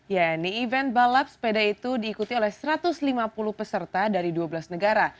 ya ini event balap sepeda itu diikuti oleh satu ratus lima puluh peserta dari dua belas negara